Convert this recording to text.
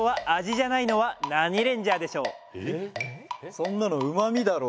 そんなのうまみだろう。